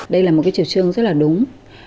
đây là một cái chiều trương rất là đúng